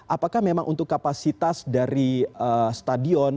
apakah memang untuk kapasitas dari stadion